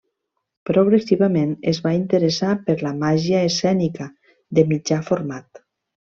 Progressivament es va interessar per la màgia escènica de mitjà format.